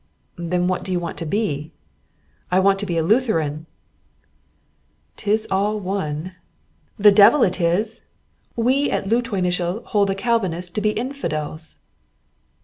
"Then what do you want to be?" "I want to be a Lutheran." "'Tis all one." "The devil it is! We at Leutomischl hold the Calvinists to be infidels."